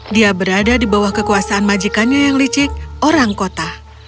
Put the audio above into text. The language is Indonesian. dia berada di bawah kekuasaan majikannya yang licik orang kota